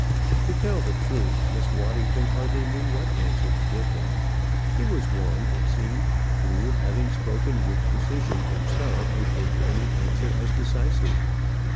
To tell the truth, Miss Waddington hardly knew what answer to give him. He was one, it seemed, who, having spoken with decision himself, would take any answer as decisive.